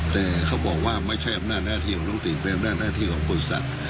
แต่เขาบอกว่าไม่ใช่อำนาจหน้าที่ของลูกติดเป็นอำนาจหน้าที่ของบริษัท